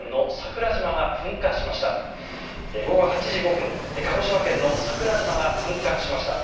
午後８時５分鹿児島県の桜島が噴火しました。